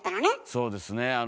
そうですね。